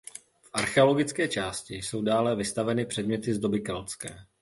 V archeologické části jsou dále vystaveny předměty z doby keltské.